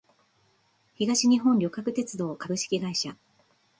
東日本旅客鉄道株式会社